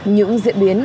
những diễn biến